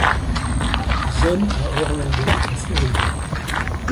Zone à Orlando, en Floride.